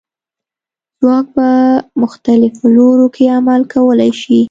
ځواک په مختلفو لورو کې عمل کولی شي.